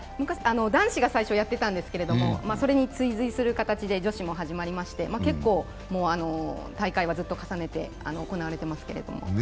男子が最初やってたんですけど、それに追随する形で女子も始まりまして、結構、大会はずっと重ねて行われています。